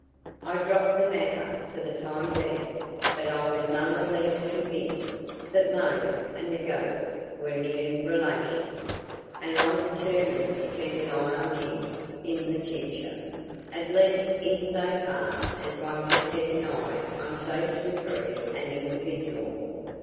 I dropped the matter for the time being, but I was none the less convinced that Mose and the ghost were near relations; and I determined to keep an eye on him in the future, at least in so far as one could keep an eye on so slippery an individual.